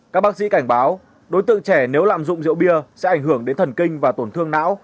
các bác sĩ cảnh báo đối tượng trẻ nếu lạm dụng rượu bia sẽ ảnh hưởng đến thần kinh và tổn thương não